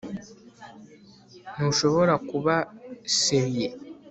ntushobora kuba serieux